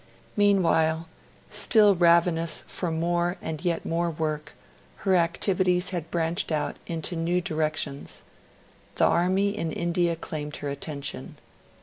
Meanwhile, still ravenous for yet more and more work, her activities had branched out into new directions. The Army in India claimed her attention.